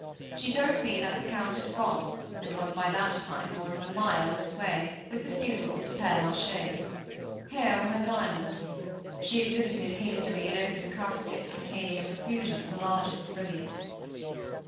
She told me that the Count had gone, and was by that time more than a mile on his way, with the funeral, to Père la Chaise. Here were her diamonds. She exhibited, hastily, an open casket containing a profusion of the largest brilliants.